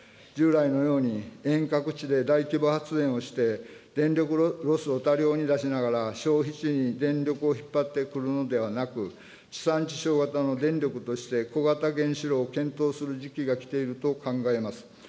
従来のように、遠隔地で大規模発電をして、電力ロスを多量に出しながら、消費地に電力を引っ張ってくるのではなく、地産地消型の電力として、小型原子炉を検討する時期が来ていると考えます。